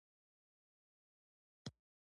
ډګروال خواجه محمد خان د اردو پخوانی افسر و.